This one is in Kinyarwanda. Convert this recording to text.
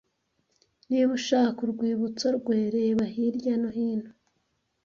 "Niba ushaka urwibutso rwe reba hirya no hino"